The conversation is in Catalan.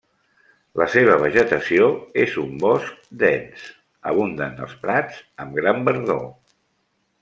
La seva vegetació és un bosc dens, abunden els prats amb gran verdor.